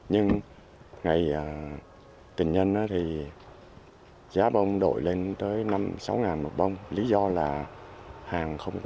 nhưng ngày tình nhân thì giá bông đổi lên tới năm sáu một bông lý do là hàng không